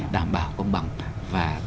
đảm bảo công bằng và